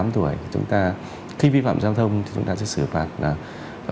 thì chúng ta khi vi phạm giao thông thì chúng ta sẽ xử phạt là